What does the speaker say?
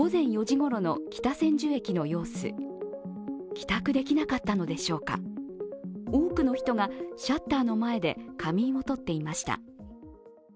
帰宅できなかったのでしょうか、多くの人がシャッターの前で仮眠をとっていました。